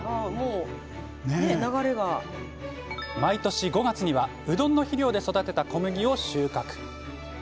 毎年５月にはうどんの肥料で育てた小麦を収穫。